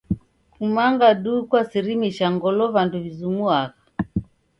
Kumanga duu kwasirimisha ngolo w'andu w'izumuagha.